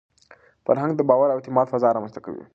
فرهنګ د باور او اعتماد فضا رامنځته کوي.